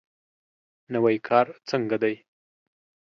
نوی کار څنګه دی؟